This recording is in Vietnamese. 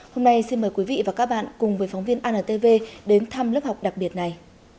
hôm nay xin mời quý vị và các bạn cùng với phóng viên antv đến thăm lớp học đặc biệt này